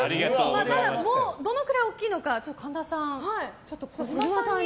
ただ、どのくらい大きいのか神田さん、児嶋さんに。